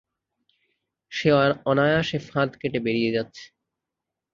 সে অনায়াসে ফাঁদ কেটে বেরিয়ে যাচ্ছে।